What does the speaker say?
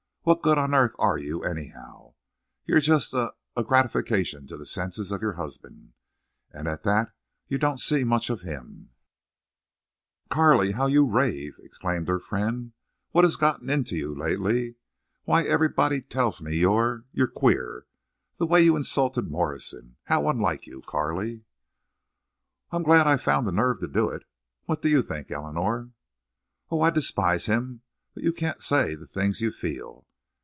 What good on earth are you, anyhow? You're just a—a gratification to the senses of your husband. And at that you don't see much of him." "Carley, how you rave!" exclaimed her friend. "What has gotten into you lately? Why, everybody tells me you're—you're queer! The way you insulted Morrison—how unlike you, Carley!" "I'm glad I found the nerve to do it. What do you think, Eleanor?" "Oh, I despise him. But you can't say the things you feel."